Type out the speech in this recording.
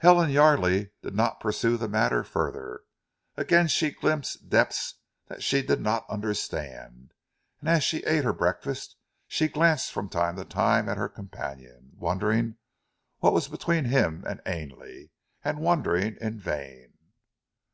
Helen Yardely did not pursue the matter further. Again she glimpsed depths that she did not understand, and as she ate her breakfast, she glanced from time to time at her companion, wondering what was between him and Ainley, and wondering in vain.